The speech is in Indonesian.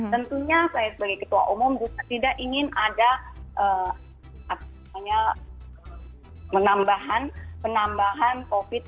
tentunya saya sebagai ketua umum juga tidak ingin ada penambahan covid sembilan